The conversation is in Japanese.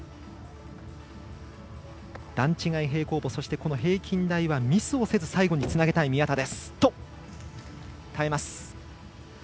段違い平行棒、そして平均台はミスをせず最後につなげたい宮田。